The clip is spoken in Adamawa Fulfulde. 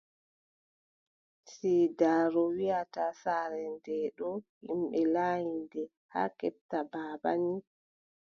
Siidaaru wiʼata, saare ndee ɗoo yimɓe laanyi nde, haa keɓta baaba nii,